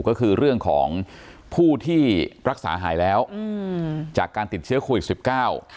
ก็คือเรื่องของผู้ที่รักษาหายแล้วอืมจากการติดเชื้อโควิดสิบเก้า